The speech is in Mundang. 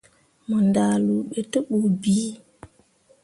Mo ndahluu be te bu bii.